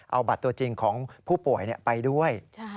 เอาบัตรตัวจริงของผู้ป่วยไปด้วย